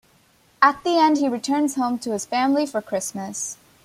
At the end he returns home to his family for Christmas.